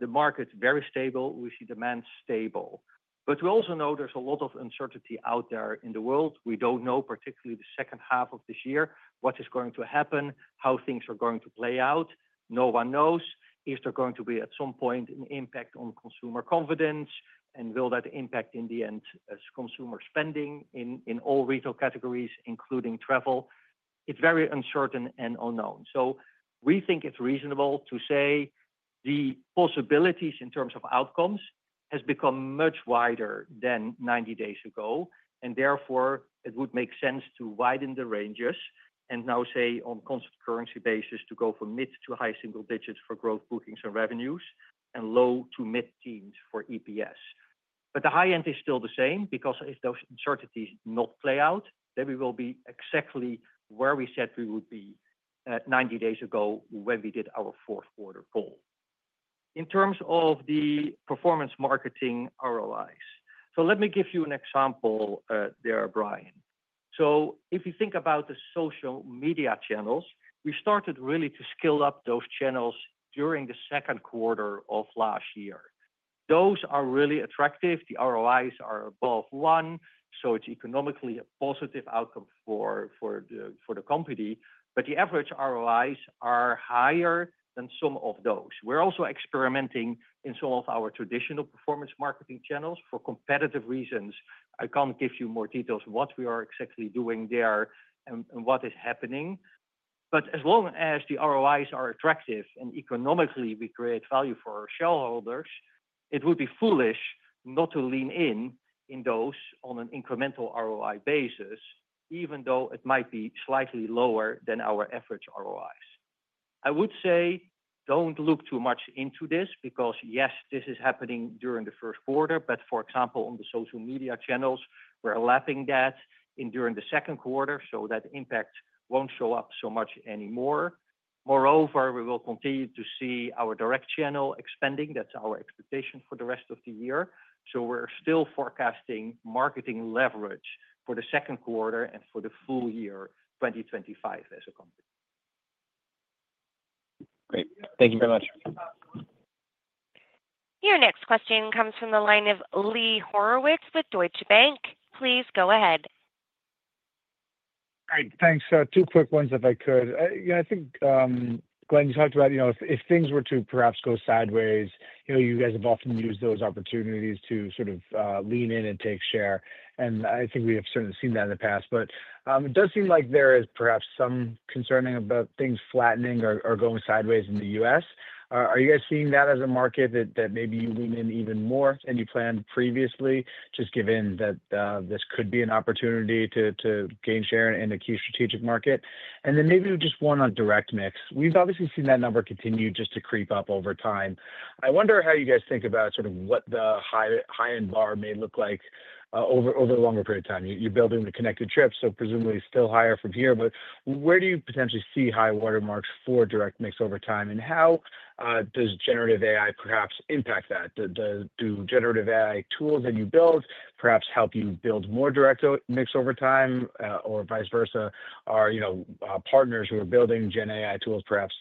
the market very stable. We see demand stable. We also know there is a lot of uncertainty out there in the world. We do not know particularly the second half of this year, what is going to happen, how things are going to play out. No one knows if there's going to be at some point an impact on consumer confidence, and will that impact in the end consumer spending in all retail categories, including travel? It's very uncertain and unknown. We think it's reasonable to say the possibilities in terms of outcomes have become much wider than 90 days ago. Therefore, it would make sense to widen the ranges and now say on a constant currency basis to go from mid- to high-single digits for gross bookings and revenues and low- to mid-teens for EPS. The high end is still the same because if those uncertainties do not play out, then we will be exactly where we said we would be 90 days ago when we did our Q4 call. In terms of the performance marketing ROIS, let me give you an example there, Brian.If you think about the social media channels, we started really to scale up those channels during the Q2 of last year. Those are really attractive. The ROIS are above one, so it's economically a positive outcome for the company. The average ROIS are higher than some of those. We're also experimenting in some of our traditional performance marketing channels for competitive reasons. I can't give you more details of what we are exactly doing there and what is happening. As long as the ROIS are attractive and economically we create value for our shareholders, it would be foolish not to lean in on those on an incremental ROI basis, even though it might be slightly lower than our average ROIS. I would say do not look too much into this because yes, this is happening during the Q1, but for example, on the social media channels, we are lapping that during the Q2 so that impact will not show up so much anymore. Moreover, we will continue to see our direct channel expanding. That is our expectation for the rest of the year. We are still forecasting marketing leverage for the Q2 and for the full year 2025 as a company. Great. Thank you very much. Your next question comes from the line of Lee Horowitz with Deutsche Bank. Please go ahead. Great. Thanks. Two quick ones if I could. I think, Glenn, you talked about if things were to perhaps go sideways, you guys have often used those opportunities to sort of lean in and take share. I think we have certainly seen that in the past.It does seem like there is perhaps some concern about things flattening or going sideways in the U.S. Are you guys seeing that as a market that maybe you lean in even more than you planned previously, just given that this could be an opportunity to gain share in a key strategic market? Maybe just one on direct mix. We've obviously seen that number continue just to creep up over time. I wonder how you guys think about sort of what the high-end bar may look like over a longer period of time. You're building the Connected Trip, so presumably still higher from here. Where do you potentially see high watermarks for direct mix over time? How does generative AI perhaps impact that? Do generative AI tools that you build perhaps help you build more direct mix over time or vice versa? Are partners who are building GenAI tools perhaps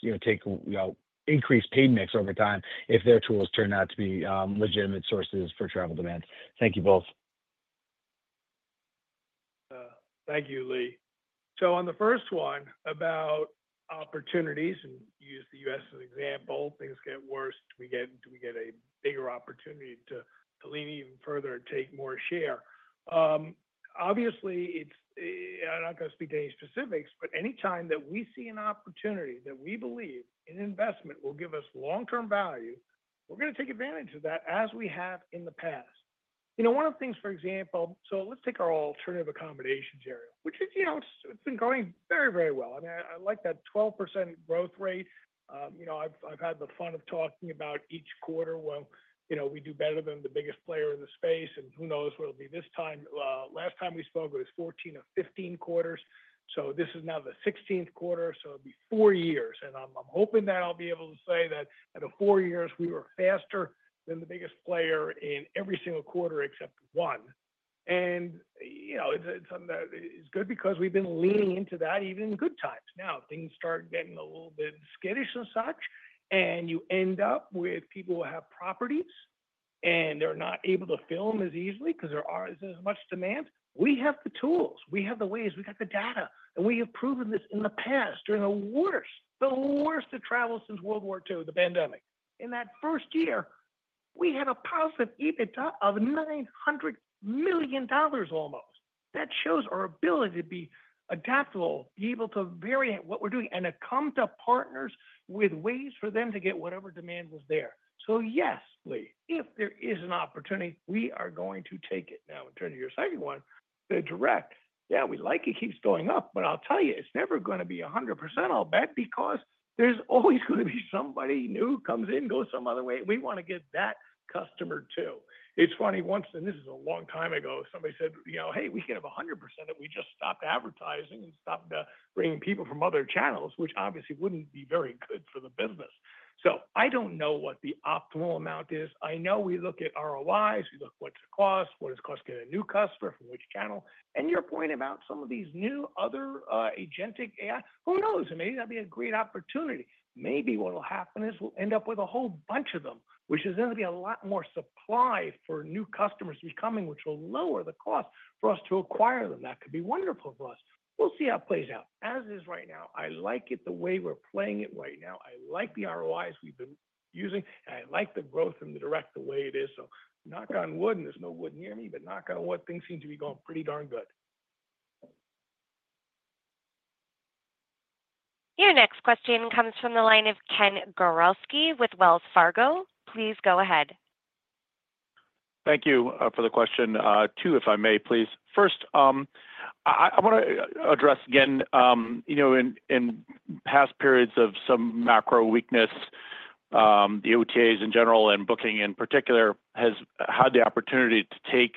increase paid mix over time if their tools turn out to be legitimate sources for travel demands? Thank you both. Thank you, Lee. On the first one about opportunities and use the U.S. as an example, things get worse. Do we get a bigger opportunity to lean even further and take more share? Obviously, I'm not going to speak to any specifics, but anytime that we see an opportunity that we believe in investment will give us long-term value, we're going to take advantage of that as we have in the past. One of the things, for example, let's take our alternative accommodations area, which has been going very, very well. I mean, I like that 12% growth rate. I've had the fun of talking about each quarter. We do better than the biggest player in the space, and who knows what it'll be this time. Last time we spoke, it was 14 or 15 quarters. This is now the 16th quarter, so it'll be four years. I'm hoping that I'll be able to say that at four years, we were faster than the biggest player in every single quarter except one. It's good because we've been leaning into that even in good times. Now, things start getting a little bit skittish and such, and you end up with people who have properties, and they're not able to fill them as easily because there isn't as much demand. We have the tools. We have the ways. We got the data. We have proven this in the past during the worst, the worst of travel since World War II, the pandemic. In that first year, we had a positive EBITDA of $900 million almost. That shows our ability to be adaptable, be able to vary what we're doing, and to come to partners with ways for them to get whatever demand was there. Yes, Lee, if there is an opportunity, we are going to take it. Now, in terms of your second one, the direct, yeah, we like it keeps going up, but I'll tell you, it's never going to be 100% all bad because there's always going to be somebody new who comes in, goes some other way. We want to get that customer too. It's funny, once, and this is a long time ago, somebody said, "Hey, we can have 100% if we just stopped advertising and stopped bringing people from other channels," which obviously wouldn't be very good for the business. I don't know what the optimal amount is. I know we look at ROIS, we look at what's the cost, what does cost get a new customer from which channel. Your point about some of these new other agentic AI, who knows? It may not be a great opportunity. Maybe what will happen is we'll end up with a whole bunch of them, which is going to be a lot more supply for new customers to be coming, which will lower the cost for us to acquire them. That could be wonderful for us. We'll see how it plays out. As is right now, I like it the way we're playing it right now. I like the ROIS we've been using. I like the growth in the direct the way it is. Knock on wood, and there's no wood near me, but knock on wood, things seem to be going pretty darn good. Your next question comes from the line of Ken Gawrelski with Wells Fargo. Please go ahead. Thank you for the question. Two, if I may, please. First, I want to address again, in past periods of some macro weakness, the OTAs in general and Booking in particular has had the opportunity to take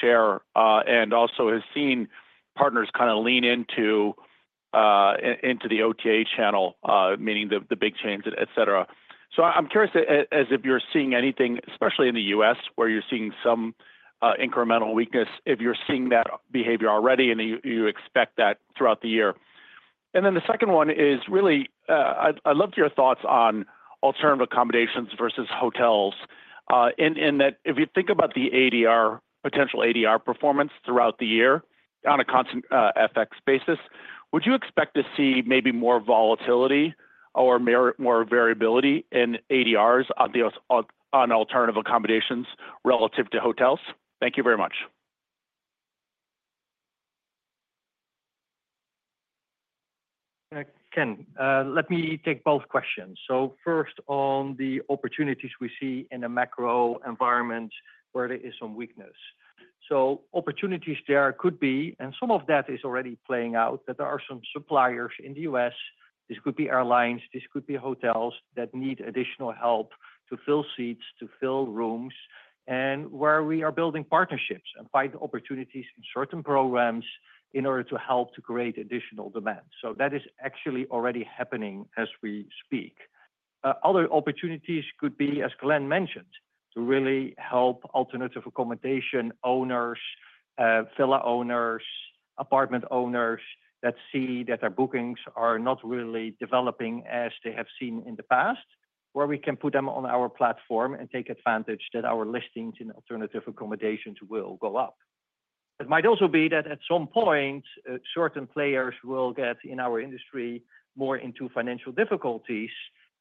share and also has seen partners kind of lean into the OTA channel, meaning the big chains, etc. I'm curious as if you're seeing anything, especially in the U.S., where you're seeing some incremental weakness, if you're seeing that behavior already and you expect that throughout the year. The second one is really, I'd love your thoughts on alternative accommodations versus hotels. In that, if you think about the potential ADR performance throughout the year on a constant FX basis, would you expect to see maybe more volatility or more variability in ADRs on alternative accommodations relative to hotels? Thank you very much. Ken, let me take both questions. First, on the opportunities we see in a macro environment where there is some weakness. Opportunities there could be, and some of that is already playing out, that there are some suppliers in the U.S. This could be airlines. This could be hotels that need additional help to fill seats, to fill rooms, and where we are building partnerships and find opportunities in certain programs in order to help to create additional demand. That is actually already happening as we speak. Other opportunities could be, as Glenn mentioned, to really help alternative accommodation owners, villa owners, apartment owners that see that their bookings are not really developing as they have seen in the past, where we can put them on our platform and take advantage that our listings in alternative accommodations will go up. It might also be that at some point, certain players will get in our industry more into financial difficulties.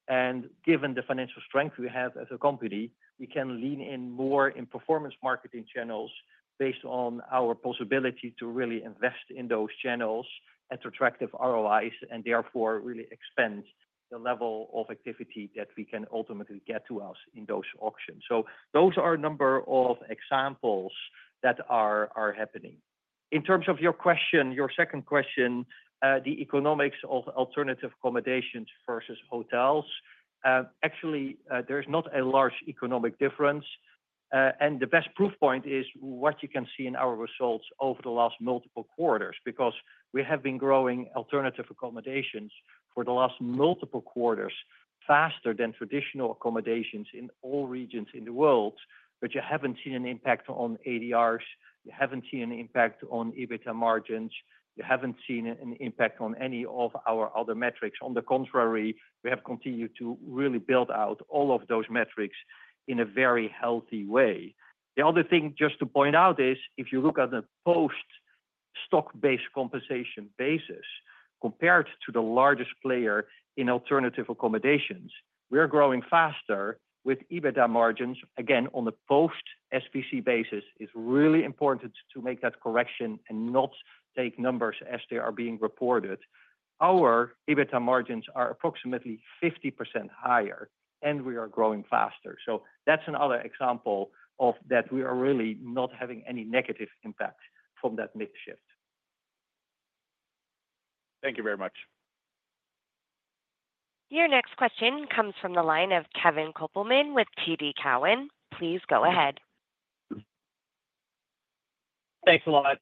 Given the financial strength we have as a company, we can lean in more in performance marketing channels based on our possibility to really invest in those channels at attractive ROIS and therefore really expand the level of activity that we can ultimately get to us in those auctions. Those are a number of examples that are happening. In terms of your question, your second question, the economics of alternative accommodations versus hotels, actually, there is not a large economic difference. The best proof point is what you can see in our results over the last multiple quarters because we have been growing alternative accommodations for the last multiple quarters faster than traditional accommodations in all regions in the world. You have not seen an impact on ADRs. You have not seen an impact on EBITDA margins. You have not seen an impact on any of our other metrics. On the contrary, we have continued to really build out all of those metrics in a very healthy way. The other thing just to point out is if you look at the post-stock-based compensation basis compared to the largest player in alternative accommodations, we're growing faster with EBITDA margins. Again, on the post-SBC basis, it's really important to make that correction and not take numbers as they are being reported. Our EBITDA margins are approximately 50% higher, and we are growing faster. That is another example of that we are really not having any negative impact from that mix shift. Thank you very much. Your next question comes from the line of Kevin Kopelman with TD Cowen. Please go ahead. Thanks a lot.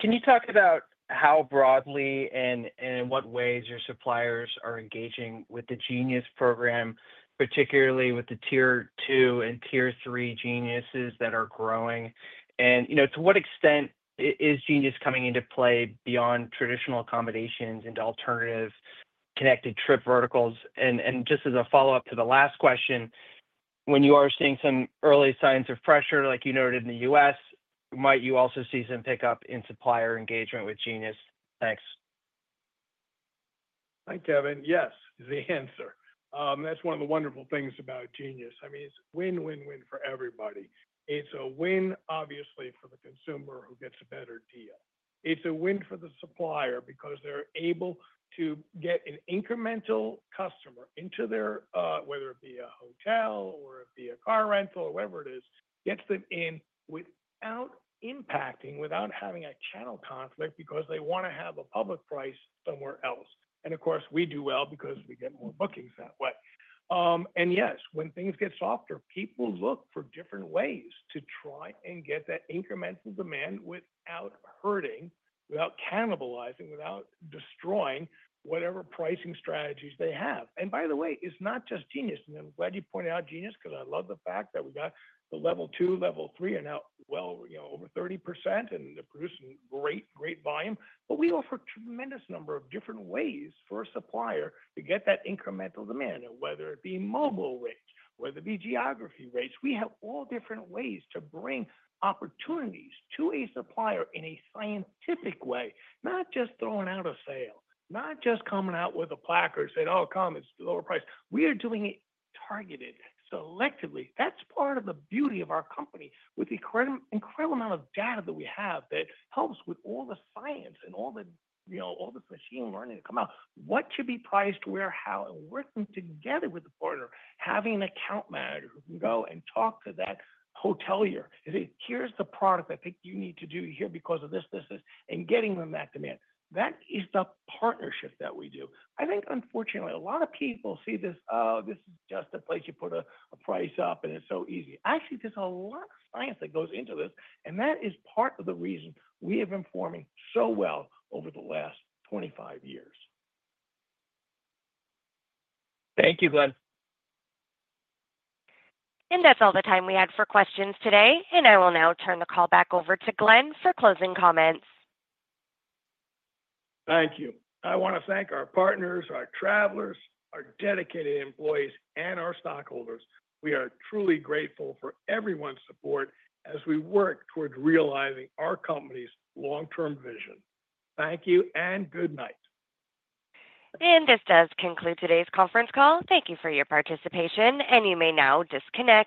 Can you talk about how broadly and in what ways your suppliers are engaging with the Genius program, particularly with the tier two and tier three Geniuses that are growing? To what extent is Genius coming into play beyond traditional accommodations into alternative connected trip verticals? Just as a follow-up to the last question, when you are seeing some early signs of pressure, like you noted in the U.S., might you also see some pickup in supplier engagement with Genius? Thanks. Hi, Kevin. Yes, is the answer. That's one of the wonderful things about Genius. I mean, it's a win-win-win for everybody. It's a win, obviously, for the consumer who gets a better deal.It's a win for the supplier because they're able to get an incremental customer into their, whether it be a hotel or it be a car rental or whatever it is, gets them in without impacting, without having a channel conflict because they want to have a public price somewhere else. Of course, we do well because we get more bookings that way. Yes, when things get softer, people look for different ways to try and get that incremental demand without hurting, without cannibalizing, without destroying whatever pricing strategies they have. By the way, it's not just Genius. I'm glad you pointed out Genius because I love the fact that we got the level two, level three, and now well over 30%, and they're producing great, great volume. We offer a tremendous number of different ways for a supplier to get that incremental demand, whether it be mobile rates, whether it be geography rates. We have all different ways to bring opportunities to a supplier in a scientific way, not just throwing out a sale, not just coming out with a placard saying, "Oh, come, it's the lower price." We are doing it targeted, selectively. That is part of the beauty of our company with the incredible amount of data that we have that helps with all the science and all this machine learning to come out. What should be priced, where, how, and working together with the partner, having an account manager who can go and talk to that hotelier, say, "Here's the product I think you need to do here because of this, this, this," and getting them that demand. That is the partnership that we do. I think, unfortunately, a lot of people see this, "Oh, this is just a place you put a price up, and it's so easy." Actually, there's a lot of science that goes into this, and that is part of the reason we have been performing so well over the last 25 years. Thank you, Glenn. That is all the time we had for questions today. I will now turn the call back over to Glenn for closing comments. Thank you. I want to thank our partners, our travelers, our dedicated employees, and our stockholders. We are truly grateful for everyone's support as we work towards realizing our company's long-term vision. Thank you, and good night. This does conclude today's conference call. Thank you for your participation, and you may now disconnect.